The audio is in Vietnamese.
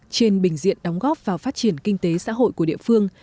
trên bình diện đóng góp vào phát triển kinh tế xã hội của địa phương